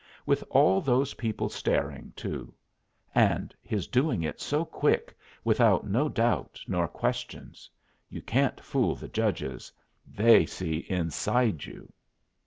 With all those people staring, too. And his doing it so quick, without no doubt nor questions. You can't fool the judges. They see inside you.